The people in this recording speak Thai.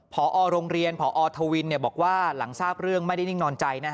พอโรงเรียนพอทวินบอกว่าหลังทราบเรื่องไม่ได้นิ่งนอนใจ